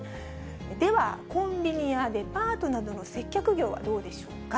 では、コンビニやデパートなどの接客業はどうでしょうか。